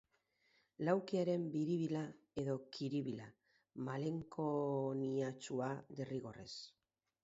Laukiaren biribila, edo kiribila, malenkoniatsua derrigorrez.